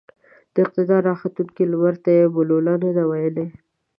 د اقتدار راختونکي لمرته يې بولـله نه ده ويلې.